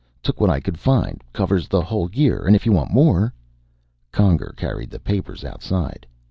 "Took what I could find. Covers the whole year. And if you want more " Conger carried the papers outside.